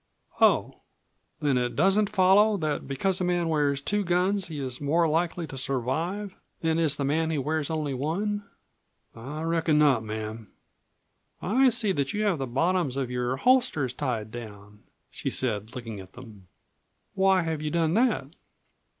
"Oh. Then it doesn't follow that because a man wears two guns he is more likely to survive than is the man who wears only one?" "I reckon not, ma'am." "I see that you have the bottoms of your holsters tied down," she said, looking at them. "Why have you done that?"